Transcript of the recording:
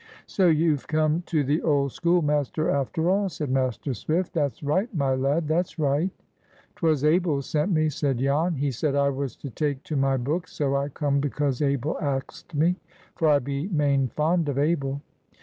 "So you've come to the old schoolmaster, after all?" said Master Swift: "that's right, my lad, that's right." "'Twas Abel sent me," said Jan; "he said I was to take to my books. So I come because Abel axed me. For I be main fond of Abel."